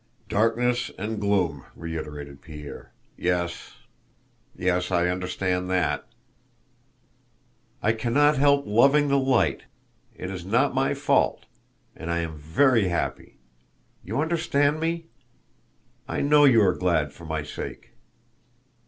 "Darkness and gloom," reiterated Pierre: "yes, yes, I understand that." "I cannot help loving the light, it is not my fault. And I am very happy! You understand me? I know you are glad for my sake."